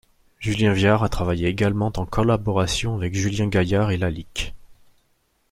Julien Viard a travaillé également en collaboration avec Lucien Gaillard et Lalique.